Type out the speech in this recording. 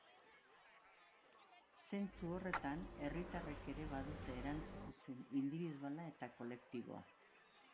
Zentzu horretan, herritarrek ere badute erantzukizun indibiduala eta kolektiboa.